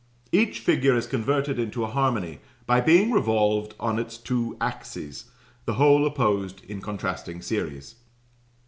"Each figure is converted into a harmony by being revolved on its two axes, the whole opposed in contrasting series."